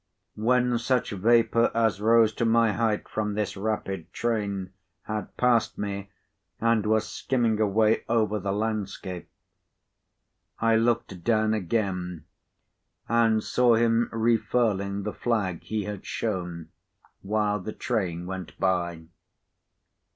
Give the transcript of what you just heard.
When such vapour as rose to my height from this rapid train, had passed me and was skimming away over the landscape, I looked down again and saw him re furling the flag he had shown while the train went by.